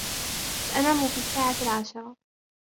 سأنام في الساعة العاشرة.